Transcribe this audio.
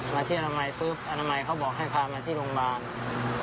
มาที่อนามัยปุ๊บอนามัยเขาบอกให้พามาที่โรงพยาบาล